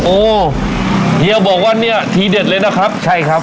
โออไอเฮียบอกว่านี่เทเด็ดเลยนะครับ